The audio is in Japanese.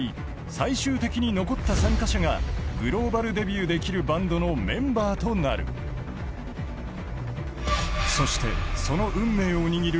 最終的に残った参加者がグローバルデビューできるバンドのメンバーとなるそしてその運命を握る